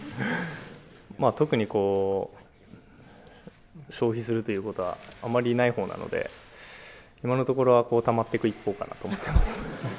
特にこう、消費するということはあまりないほうなので、今のところはたまっていく一方かなと思ってます。